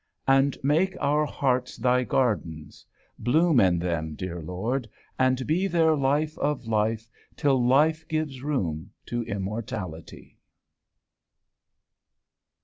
And make our hearts Thy gardens. Bloom In them, dear Lord, and be Their life of life till Life gives room To Immortality!